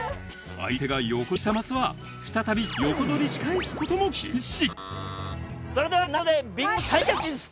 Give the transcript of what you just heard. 相手が横取りしたマスは再び横取りし返すのも禁止。